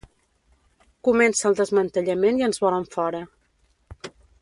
Comença el desmantellament i ens volen fora.